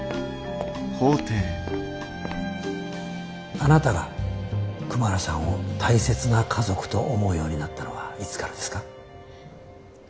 あなたがクマラさんを大切な家族と思うようになったのはいつからですか？